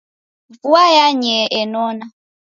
Vua yanyee enona.